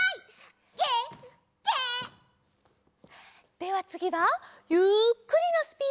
ではつぎはゆっくりのスピードに。